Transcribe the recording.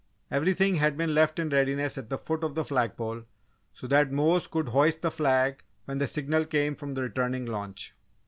Everything had been left in readiness at the foot of the flag pole so that Mose could hoist the flag when the signal came from the returning launch.